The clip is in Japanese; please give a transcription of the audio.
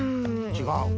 ちがう？